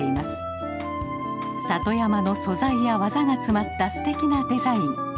里山の素材や技が詰まったすてきなデザイン。